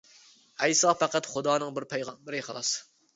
ئەيسا پەقەت خۇدانىڭ بىر پەيغەمبىرى خالاس!